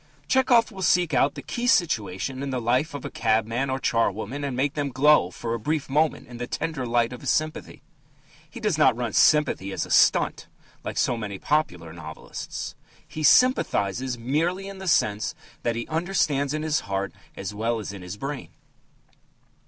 Tchehov will seek out the key situation in the life of a cabman or a charwoman, and make them glow for a brief moment in the tender light of his sympathy. He does not run sympathy as a "stunt" like so many popular novelists. He sympathizes merely in the sense that he understands in his heart as well as in his brain.